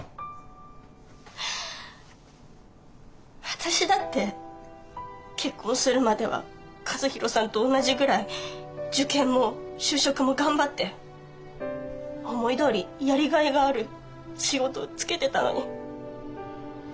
私だって結婚するまでは和弘さんと同じぐらい受験も就職も頑張って思いどおりやりがいがある仕事就けてたのに。